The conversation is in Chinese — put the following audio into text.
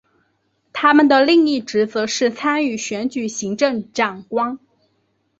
他们的另一职责是参与选举行政长官。